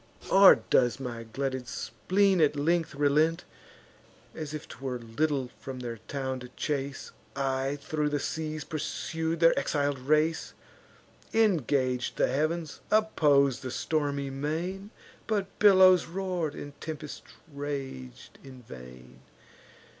Or does my glutted spleen at length relent? As if 'twere little from their town to chase, I thro' the seas pursued their exil'd race; Ingag'd the heav'ns, oppos'd the stormy main; But billows roar'd, and tempests rag'd in vain.